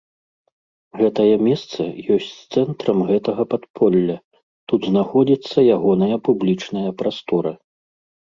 Гэтае месца ёсць цэнтрам гэтага падполля, тут знаходзіцца ягоная публічная прастора.